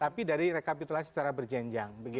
tapi dari rekapitulasi secara berjenjang